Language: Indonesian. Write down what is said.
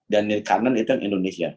dan di kanan itu indonesia